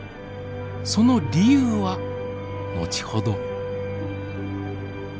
その理由は後ほど。